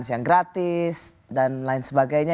makan siang gratis dan lain sebagainya